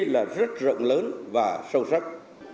là rất rộng lớn và sâu sắc